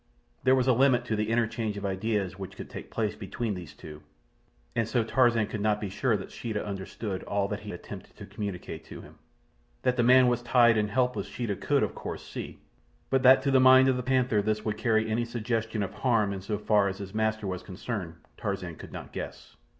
There was a limit to the interchange of ideas which could take place between these two, and so Tarzan could not be sure that Sheeta understood all that he attempted to communicate to him. That the man was tied and helpless Sheeta could, of course, see; but that to the mind of the panther this would carry any suggestion of harm in so far as his master was concerned, Tarzan could not guess.